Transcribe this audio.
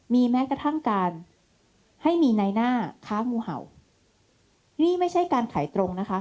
มีแม้กระทั่งการให้มีในหน้าค้างูเห่านี่ไม่ใช่การขายตรงนะคะ